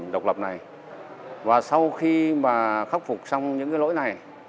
độc lập này và sau khi mà khắc phục xong những cái lỗi này